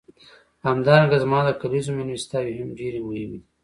همدارنګه زما د کلیزو میلمستیاوې هم ډېرې مهمې دي.